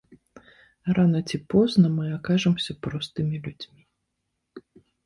Рана ці позна мы акажамся простымі людзьмі.